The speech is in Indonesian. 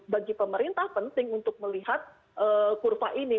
bagi pemerintah penting untuk melihat kurva ini